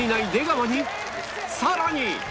さらに！